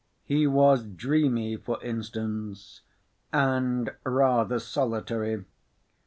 He was dreamy, for instance, and rather solitary.